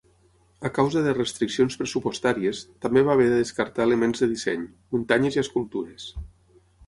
A causa de restriccions pressupostàries, també va haver de descartar elements de disseny: muntanyes i escultures.